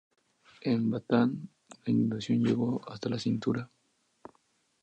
En Bataan, la inundación llegó hasta la cintura.